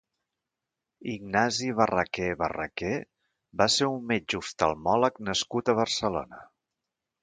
Ignasi Barraquer Barraquer va ser un metge oftalmòleg nascut a Barcelona.